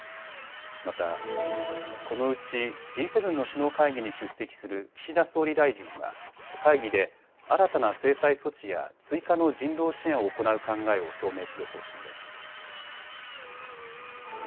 また、このうちＧ７の首脳会議に出席する岸田総理大臣は会議で新たな制裁措置や追加の人道支援を行う考えを表明する方針です。